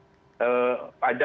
ada negara yang menemukan kasusnya